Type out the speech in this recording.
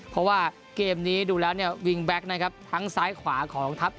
เพราะว่าเกมนี้ดูแล้วเนี่ยวิงแบ็คนะครับทั้งซ้ายขวาของทัพ